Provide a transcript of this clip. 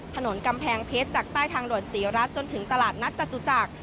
ถนนกำแพงเพชรจากใต้ทางด่วนศรีรัฐจนถึงตลาดนัดจตุจักร